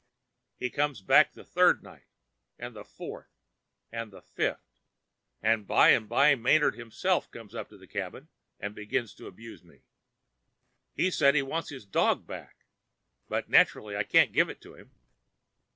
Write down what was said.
He comes back the third night, the fourth, and the fifth, and by and by Manard himself comes up to the cabin and begins to abuse me. He says he wants his dog back, but naturally I can't give it to him.